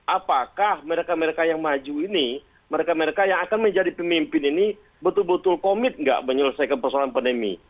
apakah mereka mereka yang maju ini mereka mereka yang akan menjadi pemimpin ini betul betul komit nggak menyelesaikan persoalan pandemi